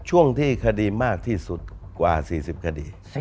ช่วงที่คดีมากที่สุดกว่า๔๐คดี